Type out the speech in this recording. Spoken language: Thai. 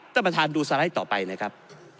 ท่านประธานดูสไลด์ต่อไปนะครับ